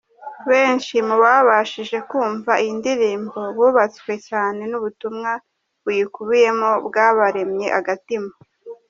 Benshi mu babashije kumva iyi ndirimbo bubatswe cyane n’ubutumwa buyikubiyemo bwabaremye agatima.